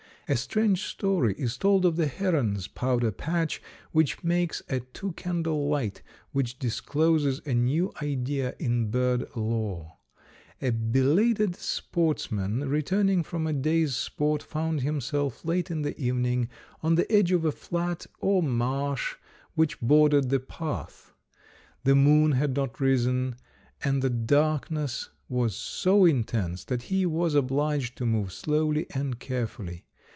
A strange story is told of the heron's powder patch which makes a two candle light, which discloses a new idea in bird lore. A belated sportsman returning from a day's sport found himself late in the evening on the edge of a flat or marsh which bordered the path. The moon had not risen, and the darkness was so intense that he was obliged to move slowly and carefully.